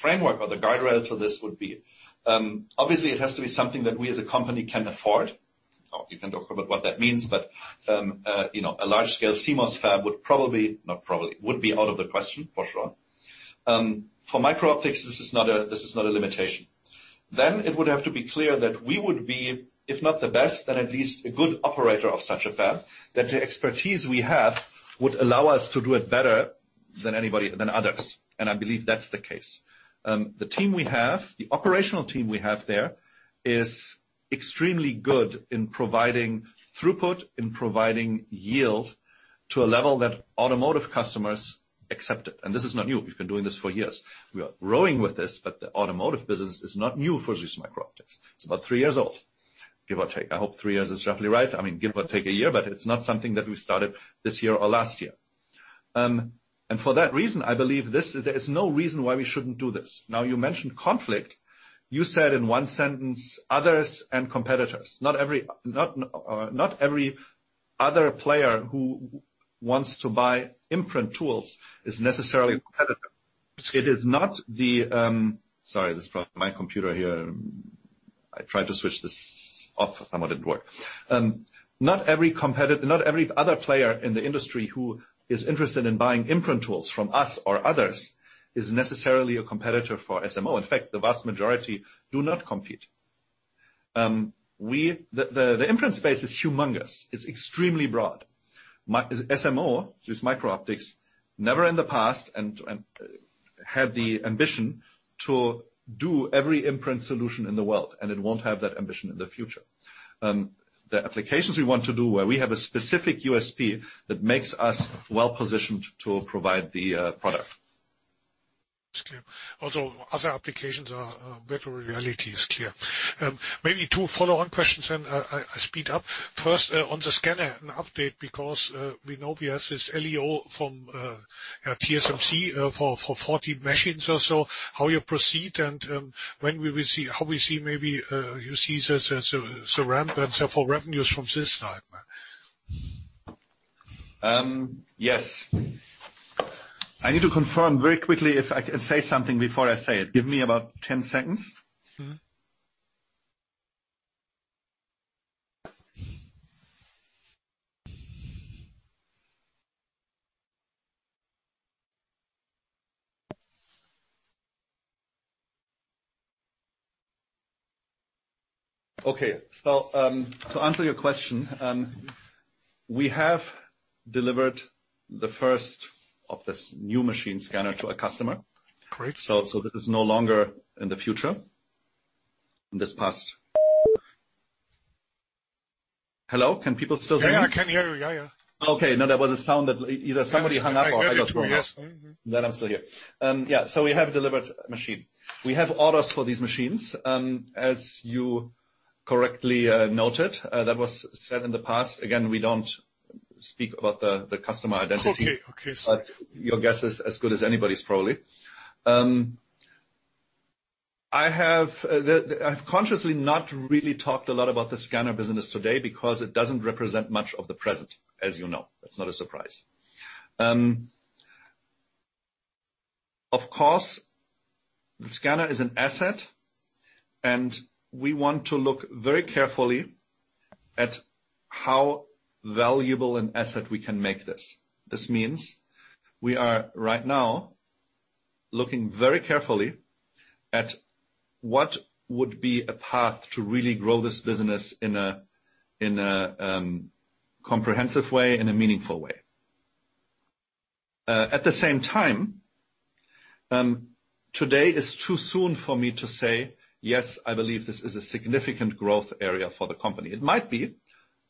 framework or the guardrail to this would be, obviously, it has to be something that we as a company can afford. We can talk about what that means, but, you know, a large scale CMOS fab would be out of the question for sure. For MicroOptics, this is not a limitation. It would have to be clear that we would be, if not the best, then at least a good operator of such a fab. That the expertise we have would allow us to do it better than anybody, than others. I believe that's the case. The team we have, the operational team we have there is extremely good in providing throughput, in providing yield to a level that automotive customers accept it. This is not new. We've been doing this for years. We are growing with this, but the automotive business is not new for SÜSS MicroOptics. It's about three years old, give or take. I hope three years is roughly right. I mean, give or take a year, but it's not something that we started this year or last year. For that reason, I believe this, there is no reason why we shouldn't do this. Now, you mentioned conflict. You said in one sentence, others and competitors. Not every other player who wants to buy imprint tools is necessarily a competitor. It is not the. Sorry, this is my computer here. I tried to switch this off, somehow it didn't work. Not every other player in the industry who is interested in buying imprint tools from us or others is necessarily a competitor for SMO. In fact, the vast majority do not compete. The imprint space is humongous. It's extremely broad. SMO, SÜSS MicroOptics, never in the past and had the ambition to do every imprint solution in the world, and it won't have that ambition in the future. The applications we want to do, where we have a specific USP that makes us well-positioned to provide the product. It's clear. Although other applications are, virtual reality is clear. Maybe two follow-on questions, then I speed up. First, on the scanner, an update, because we know we have this LOI from TSMC for 14 machines or so. How you proceed and when we will see how we see maybe you see the ramp and so for revenues from this time. Yes. I need to confirm very quickly if I can say something before I say it. Give me about 10 seconds. Mm-hmm. Okay. To answer your question, we have delivered the first of this new machine scanner to a customer. Great. This is no longer in the future. It's in the past. Hello, can people still hear me? Yeah, I can hear you. Yeah, yeah. Okay. No, that was a sound that either somebody hung up or I got hung up. Yes. I'm still here. Yeah. We have delivered a machine. We have orders for these machines. As you correctly noted, that was said in the past. Again, we don't speak about the customer identity. Okay. Okay. Your guess is as good as anybody's, probably. I have the I've consciously not really talked a lot about the scanner business today because it doesn't represent much of the present, as you know. That's not a surprise. Of course, the scanner is an asset, and we want to look very carefully at how valuable an asset we can make this. This means we are right now looking very carefully at what would be a path to really grow this business in a comprehensive way, in a meaningful way. At the same time, today is too soon for me to say, "Yes, I believe this is a significant growth area for the company." It might be,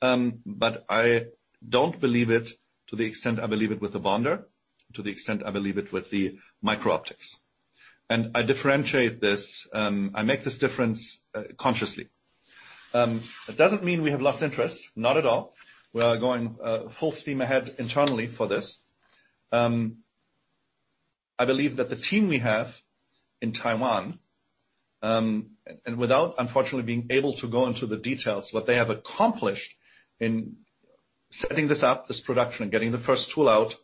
but I don't believe it to the extent I believe it with the bonder, to the extent I believe it with the MicroOptics. I differentiate this. I make this difference consciously. It doesn't mean we have lost interest, not at all. We are going full steam ahead internally for this. I believe that the team we have in Taiwan and without unfortunately being able to go into the details, what they have accomplished in setting this up, this production, getting the first tool out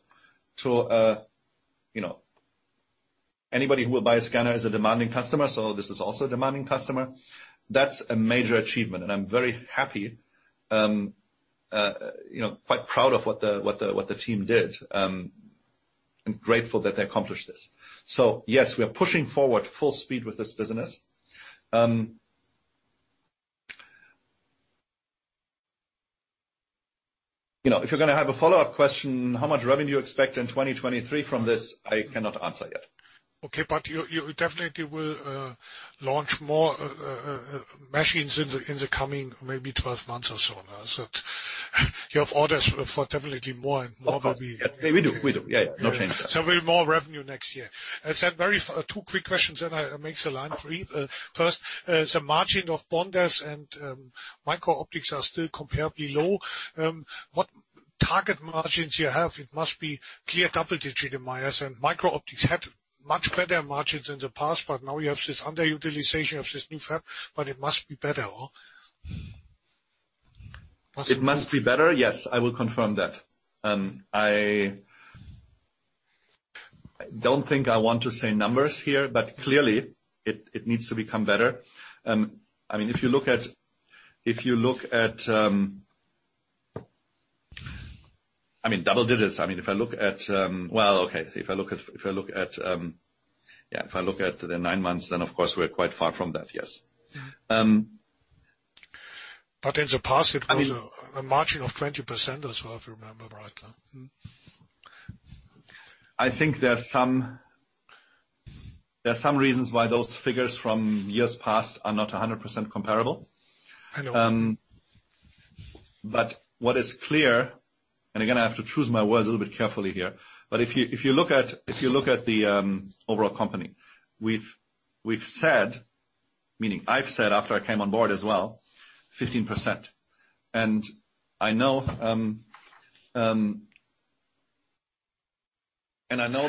to you know. Anybody who will buy a scanner is a demanding customer. This is also a demanding customer. That's a major achievement, and I'm very happy you know quite proud of what the team did and grateful that they accomplished this. Yes, we are pushing forward full speed with this business. You know, if you're gonna have a follow-up question, how much revenue you expect in 2023 from this, I cannot answer yet. Okay. You definitely will launch more machines in the coming maybe 12 months or so now. You have orders for definitely more and more maybe. We do. Yeah, no change there. We'll see more revenue next year. I have two quick questions then I make the line free. First, the margin of bonders and MicroOptics are still comparatively low. What target margins you have? It must be clearly double-digit in my eyes, and MicroOptics had much better margins in the past, but now you have this underutilization of this new fab, but it must be better, or? It must be better. Yes, I will confirm that. I don't think I want to say numbers here, but clearly it needs to become better. I mean, double-digits. Well, okay. If I look at the nine months, then of course we're quite far from that, yes. In the past it was. I mean. A margin of 20% as well, if you remember right. I think there are some reasons why those figures from years past are not 100% comparable. I know. What is clear, and again, I have to choose my words a little bit carefully here, but if you look at the overall company, we've said, meaning I've said, after I came on board as well, 15%. I know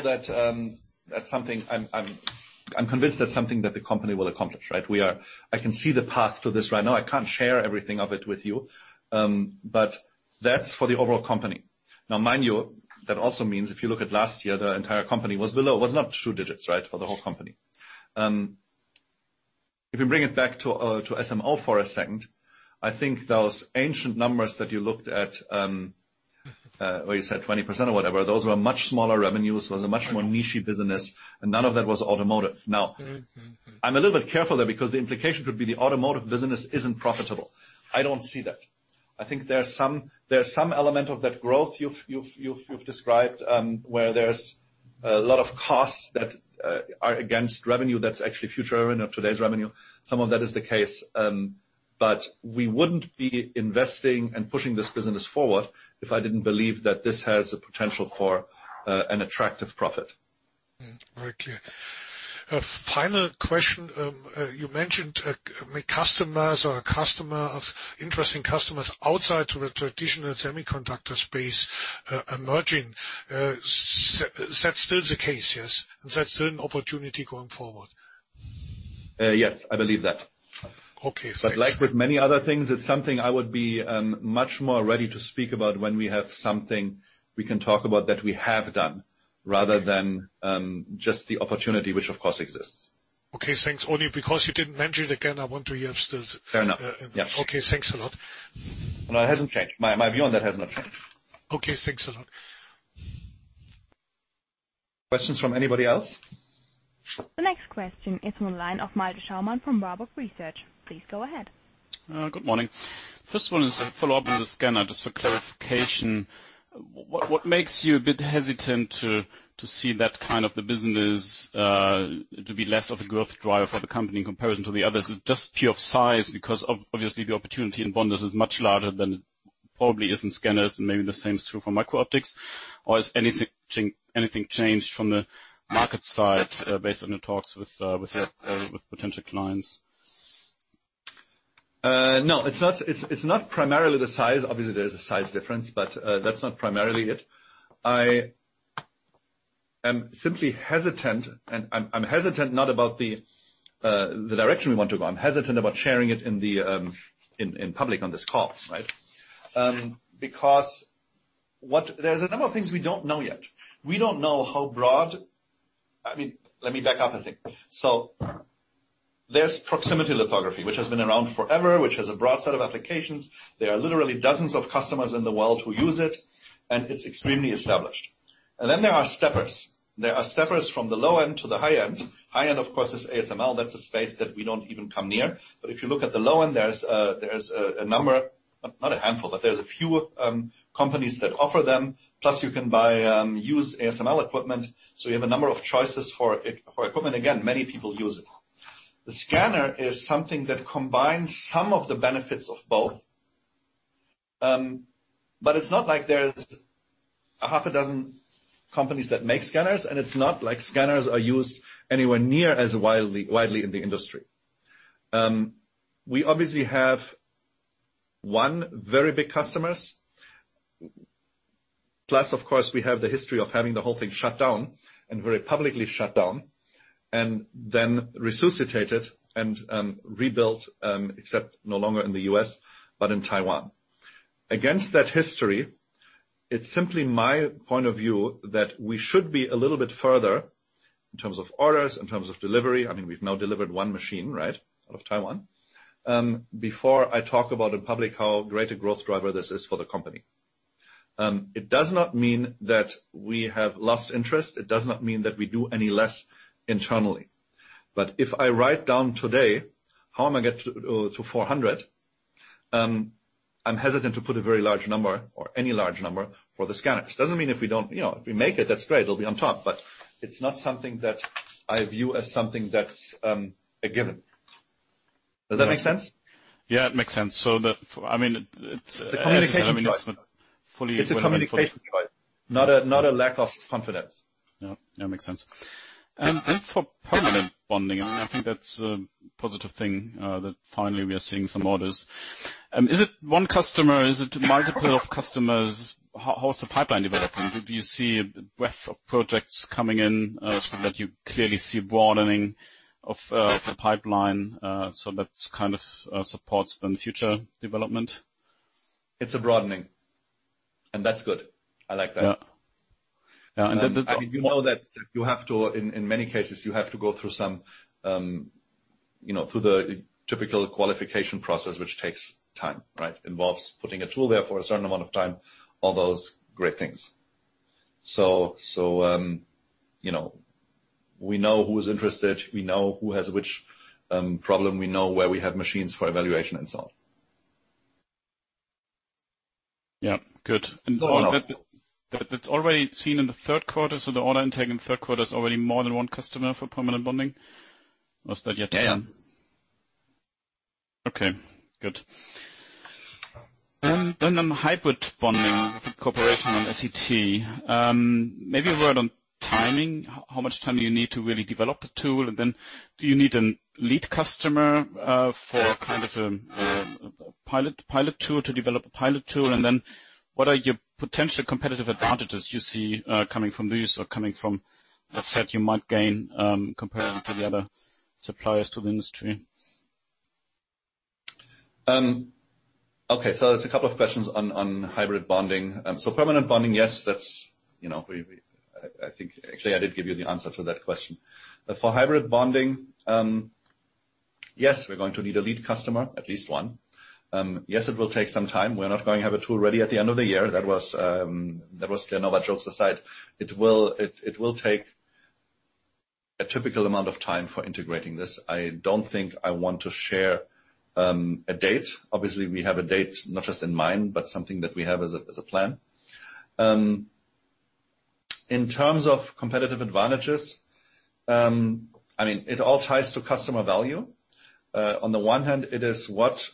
that that's something I'm convinced that's something that the company will accomplish, right? I can see the path to this right now. I can't share everything of it with you, but that's for the overall company. Now mind you, that also means if you look at last year, the entire company was below. It was not two digits, right, for the whole company. If you bring it back to SMO or a second, I think those ancient numbers that you looked at, where you said 20% or whatever, those were much smaller revenues. It was a much more niche-y business, and none of that was automotive. Now. Mm-mm, mm-mm. I'm a little bit careful there because the implication could be the automotive business isn't profitable. I don't see that. I think there's some element of that growth you've described, where there's a lot of costs that are against revenue that's actually future revenue, not today's revenue. Some of that is the case, but we wouldn't be investing and pushing this business forward if I didn't believe that this has the potential for an attractive profit. Very clear. A final question. You mentioned interesting customers outside the traditional semiconductor space, emerging. Is that still the case, yes? That's still an opportunity going forward. Yes, I believe that. Okay, thanks. Like with many other things, it's something I would be much more ready to speak about when we have something we can talk about that we have done, rather than just the opportunity which of course exists. Okay, thanks. Only because you didn't mention it again, I want to hear still. Fair enough. Yeah. Okay. Thanks a lot. No, it hasn't changed. My view on that has not changed. Okay, thanks a lot. Questions from anybody else? The next question is on the line of Malte Schaumann from Warburg Research. Please go ahead. Good morning. First one is a follow-up on the scanner, just for clarification. What makes you a bit hesitant to see that kind of the business to be less of a growth driver for the company in comparison to the others? Is it just pure size? Because obviously, the opportunity in bonders is much larger than it probably is in scanners and maybe the same is true for MicroOptics. Or has anything changed from the market side, based on your talks with your potential clients? No, it's not primarily the size. Obviously, there's a size difference, but that's not primarily it. I am simply hesitant, and I'm hesitant not about the direction we want to go. I'm hesitant about sharing it in public on this call, right? Because there's a number of things we don't know yet. We don't know how broad. I mean, let me back up, I think. So there's proximity lithography, which has been around forever, which has a broad set of applications. There are literally dozens of customers in the world who use it, and it's extremely established. Then there are steppers. There are steppers from the low-end to the high-end. High-end, of course, is ASML. That's a space that we don't even come near. If you look at the low-end, there's a number, not a handful, but there's a few companies that offer them. You can buy used ASML equipment. You have a number of choices for it, for equipment. Many people use it. The scanner is something that combines some of the benefits of both. It's not like there's six companies that make scanners, and it's not like scanners are used anywhere near as widely in the industry. We obviously have one very big customer. Of course, we have the history of having the whole thing shut down and very publicly shut down and then resuscitated and rebuilt, except no longer in the U.S., but in Taiwan. Against that history, it's simply my point of view that we should be a little bit further in terms of orders, in terms of delivery. I mean, we've now delivered one machine, right, out of Taiwan, before I talk about in public how great a growth driver this is for the company. It does not mean that we have lost interest. It does not mean that we do any less internally. But if I write down today how am I going to get to 400? I'm hesitant to put a very large number or any large number for the scanners. Doesn't mean if we don't, you know, if we make it, that's great. It'll be on top. But it's not something that I view as something that's a given. Does that make sense? Yeah, it makes sense. I mean, it's. It's a communication device. Fully. It's a communication device, not a lack of confidence. Yeah. That makes sense. For permanent bonding, I mean, I think that's a positive thing, that finally we are seeing some orders. Is it one customer? Is it multiple customers? How's the pipeline developing? Do you see a breadth of projects coming in, so that you clearly see broadening of the pipeline, so that kind of supports then future development? It's a broadening, and that's good. I like that. Yeah. You know that in many cases, you have to go through some, you know, through the typical qualification process, which takes time, right, involves putting a tool there for a certain amount of time, all those great things. You know, we know who is interested, we know who has which problem. We know where we have machines for evaluation and so on. Yeah, good. That's already seen in the third quarter. The order intake in the third quarter is already more than one customer for permanent bonding, or is that yet to come? Yeah. Okay, good. On hybrid bonding, the cooperation on SET, maybe a word on timing. How much time do you need to really develop the tool? Do you need a lead customer for kind of a pilot tool to develop a pilot tool? What are your potential competitive advantages you see coming from these or coming from the SET you might gain compared to the other suppliers to the industry? Okay, there's a couple of questions on hybrid bonding. Permanent bonding, yes, that's, you know, I think actually I did give you the answer to that question. For hybrid bonding, yes, we're going to need a lead customer, at least one. Yes, it will take some time. We're not going to have a tool ready at the end of the year. That was kind of a jokes aside. It will take a typical amount of time for integrating this. I don't think I want to share a date. Obviously, we have a date, not just in mind, but something that we have as a plan. In terms of competitive advantages, I mean, it all ties to customer value. On the one hand, it is what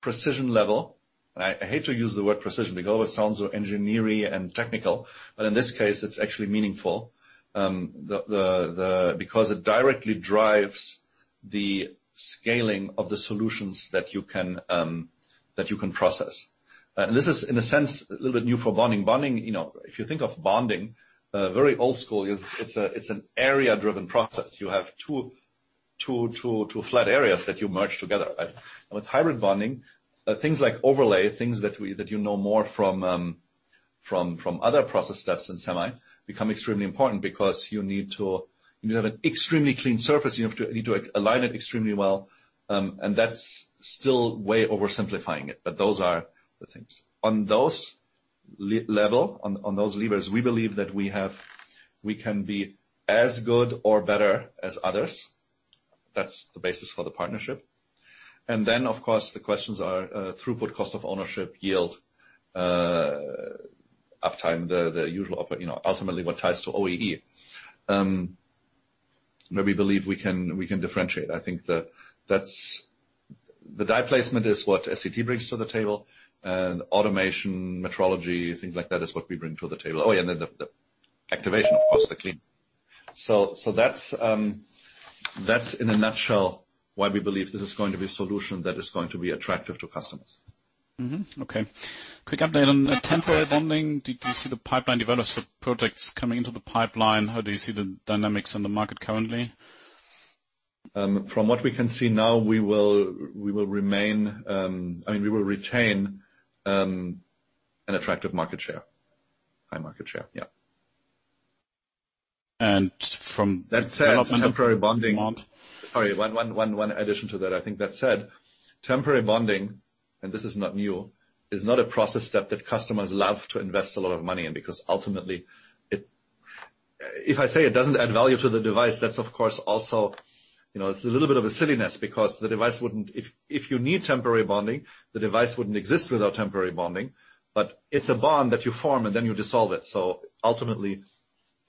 precision level. I hate to use the word precision because it always sounds so engineer-y and technical, but in this case, it's actually meaningful. Because it directly drives the scaling of the solutions that you can process. This is in a sense a little bit new for bonding. Bonding, you know, if you think of bonding, very old school, it's an area-driven process. You have two flat areas that you merge together, right? With hybrid bonding, things like overlay, things that you know more from other process steps in semi, become extremely important because you need to have an extremely clean surface, you need to align it extremely well. That's still way oversimplifying it. Those are the things. On those levers, we believe that we can be as good or better as others. That's the basis for the partnership. Then, of course, the questions are, throughput, cost of ownership, yield, uptime, the usual, ultimately, what ties to OEE. Where we believe we can differentiate. I think that's the die placement is what SET brings to the table, and automation, metrology, things like that is what we bring to the table. Oh, yeah, and the activation, of course, the clean. That's in a nutshell why we believe this is going to be a solution that is going to be attractive to customers. Okay. Quick update on temporary bonding. Did you see the pipeline develop for projects coming into the pipeline? How do you see the dynamics on the market currently? From what we can see now, we will remain. I mean, we will retain an attractive market share. High market share, yeah. And from. That said, temporary bonding. Sorry, one addition to that. I think that said, temporary bonding, and this is not new, is not a process step that customers love to invest a lot of money in, because ultimately, if I say it doesn't add value to the device, that's of course also, you know, it's a little bit of a silliness because if you need temporary bonding, the device wouldn't exist without temporary bonding. But it's a bond that you form and then you dissolve it. So ultimately,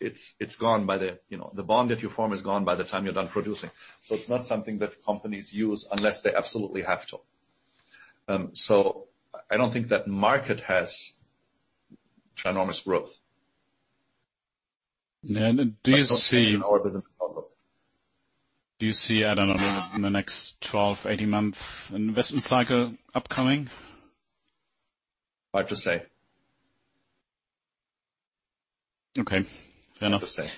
it's gone by the, you know, the bond that you form is gone by the time you're done producing. So it's not something that companies use unless they absolutely have to. I don't think that market has tremendous growth. Do you see, I don't know, in the next 12, 18 months, investment cycle upcoming? Hard to say. Okay. Fair enough. Hard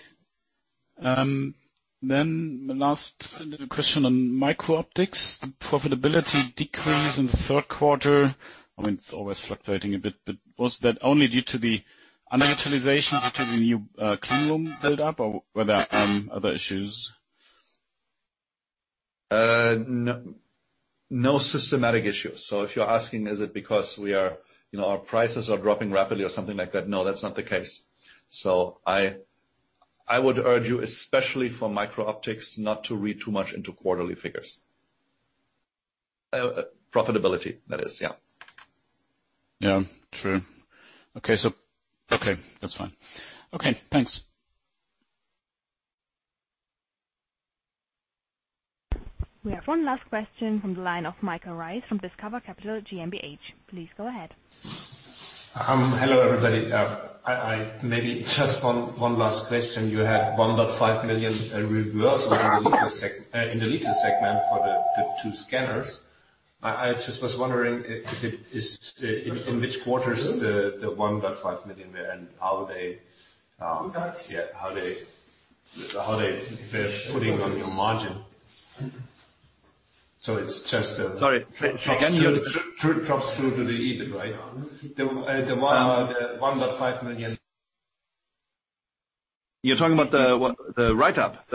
to say. Last little question on MicroOptics. The profitability decrease in the third quarter, I mean, it's always fluctuating a bit, but was that only due to the underutilization due to the new, clean room build-up, or were there, other issues? No systematic issues. If you're asking is it because we are, you know, our prices are dropping rapidly or something like that, no, that's not the case. I would urge you, especially for MicroOptics, not to read too much into quarterly figures. Profitability, that is. Yeah, true. Okay. Okay, that's fine. Okay, thanks. We have one last question from the line of Michael Reis from Discover Capital GmbH. Please go ahead. Hello, everybody. Maybe just one last question. You had 1.5 million reversal in the litho segment for the two scanners. I just was wondering in which quarter is the 1.5 million and how they're putting on your margin. So it's just. Sorry. Drops through to the EBIT, right? The 1.5 million. You're talking about the what? The write-up?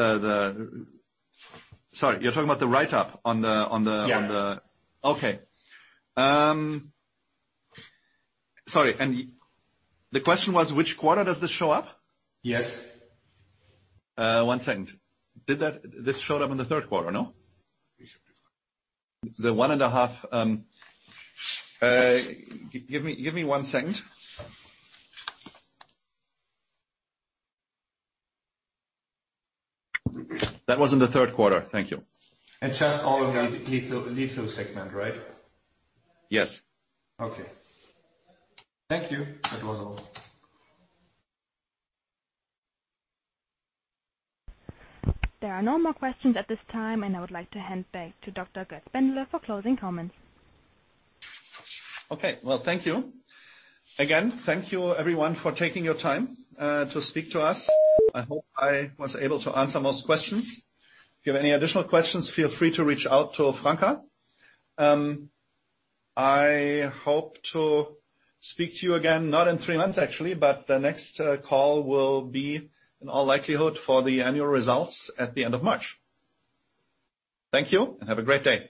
Sorry, you're talking about the write-up on the. Yeah. Okay. Sorry. The question was which quarter does this show up? Yes. One second. This showed up in the third quarter, no? The EUR 1.5 million. Give me one second. That was in the third quarter. Thank you. Just all of the litho segment, right? Yes. Okay. Thank you. That was all. There are no more questions at this time, and I would like to hand back to Dr. Götz Bendele for closing comments. Okay. Well, thank you. Again, thank you everyone for taking your time to speak to us. I hope I was able to answer most questions. If you have any additional questions, feel free to reach out to Franca. I hope to speak to you again, not in three months, actually, but the next call will be in all likelihood for the annual results at the end of March. Thank you, and have a great day.